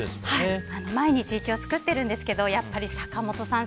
毎日一応作ってるんですけどやっぱり、坂本さん